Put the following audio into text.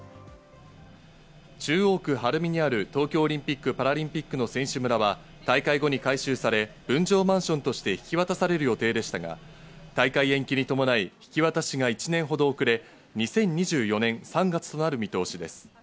中央区晴海にある東京オリンピック・パラリンピックの選手村は大会後に改修され分譲マンションとして引き渡される予定でしたが、大会延期に伴い、引き渡しが１年ほど遅れ、２０２４年３月となる見通しです。